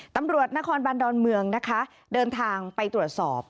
ตำรวจนครบันดอนเมืองนะคะเดินทางไปตรวจสอบ